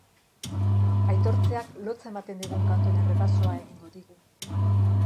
Aitortzeak lotsa ematen digun kantuen errepasoa egingo digu.